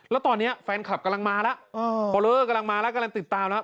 แล้วตอนนี้แฟนคลับกำลังมาแล้วปอเลอร์กำลังมาแล้วกำลังติดตามแล้ว